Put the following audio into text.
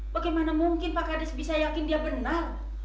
bagaimana mungkin pak kades bisa yakin dia benar